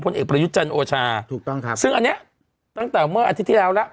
เอกประยุทธ์จันทร์โอชาถูกต้องครับซึ่งอันเนี้ยตั้งแต่เมื่ออาทิตย์ที่แล้วแล้ว